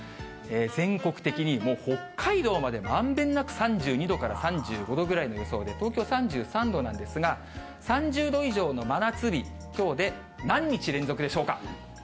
全国的にもう北海道までまんべんなく３２度から３５度ぐらいの予想で、東京３３度なんですが、３０度以上の真夏日、きょうで何日連続でしょうか？